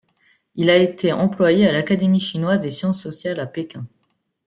Il a été employé à l'Académie chinoise des sciences sociales à Pékin.